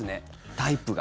タイプが。